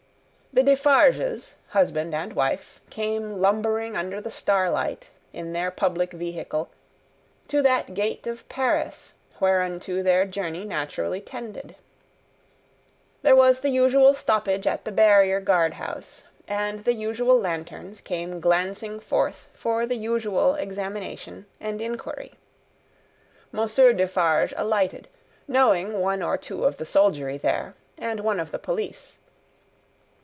The Defarges, husband and wife, came lumbering under the starlight, in their public vehicle, to that gate of Paris whereunto their journey naturally tended. There was the usual stoppage at the barrier guardhouse, and the usual lanterns came glancing forth for the usual examination and inquiry. Monsieur Defarge alighted; knowing one or two of the soldiery there, and one of the police.